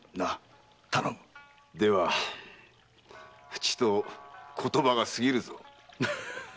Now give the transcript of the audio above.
出羽ちと言葉が過ぎるぞ。